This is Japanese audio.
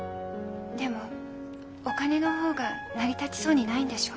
でもお金の方が成り立ちそうにないんでしょ？